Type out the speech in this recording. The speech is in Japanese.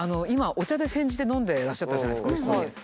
今お茶で煎じて飲んでらっしゃったじゃないですかおいしそうに。